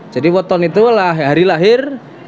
jadi weton itu lah hari lahir